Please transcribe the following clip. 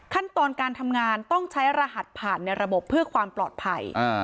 ขั้นตอนการทำงานต้องใช้รหัสผ่านในระบบเพื่อความปลอดภัย